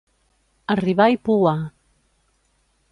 Arribar i pouar.